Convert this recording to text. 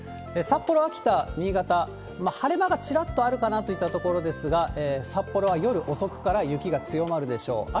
札幌、秋田、新潟、晴れ間がちらっとあるかなといったところですが、札幌は夜遅くから雪が強まるでしょう。